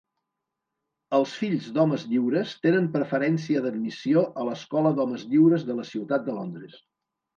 Els fills d'homes lliures tenen preferència d'admissió a l'Escola d'homes lliures de la ciutat de Londres.